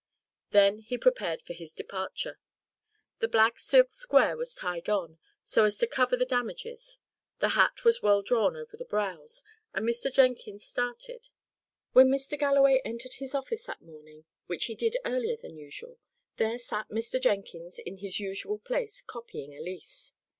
Then he prepared for his departure. The black silk square was tied on, so as to cover the damages; the hat was well drawn over the brows, and Mr. Jenkins started. When Mr. Galloway entered his office that morning, which he did earlier than usual, there sat Mr. Jenkins in his usual place, copying a lease.